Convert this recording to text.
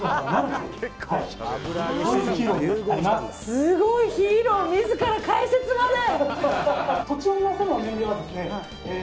すごい、ヒーロー自ら解説まで。